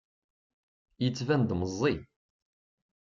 Yettban-d meẓẓi.